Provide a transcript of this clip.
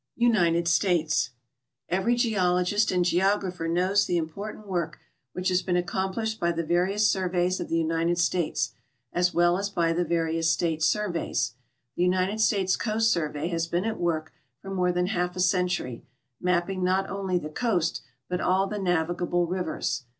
UNITED STATES Every geologist and geographer knows the important work which has been accomplished by the various surveys of the United States, as well as by the various State surveys. The United States Coast Survey has been at work for more than half a century, mapping not only the coast but all the navigable rivers.